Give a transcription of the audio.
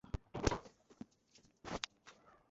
প্রথমে এটি ছিল ভারতের একটি প্রদেশ।